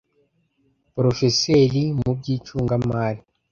Porofeseri mu by icungamari